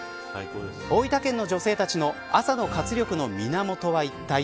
大分県の女性たちの朝の活力の源はいったい。